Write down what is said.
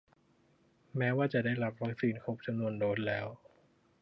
แม้ว่าจะได้รับวัคซีนครบจำนวนโดสแล้ว